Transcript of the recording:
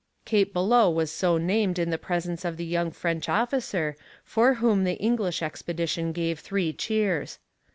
Cape Bellot was so named in the presence of the young French officer, for whom the English expedition gave three cheers.